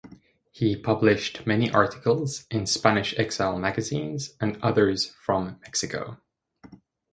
He published many articles in Spanish exile magazines and others from Mexico.